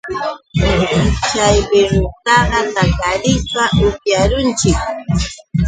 Chay birrustaqa takarishpa upyarunchik.